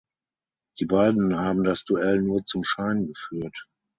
Die beiden haben das Duell nur zum Schein geführt.